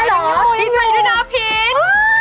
ดีใจด้วยหน้าพิษ